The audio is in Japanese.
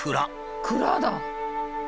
蔵だ！